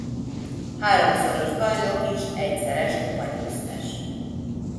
Háromszoros bajnok és egyszeres kupagyőztes.